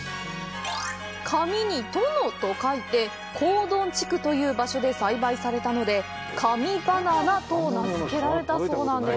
「神」に「殿」と書いて神殿地区という場所で栽培されたので「神バナナ」と名付けられのだそうです。